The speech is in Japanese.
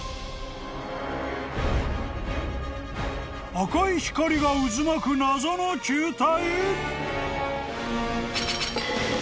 ［赤い光が渦巻く謎の球体？］